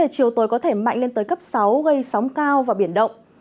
cố gây sóng cao và biển động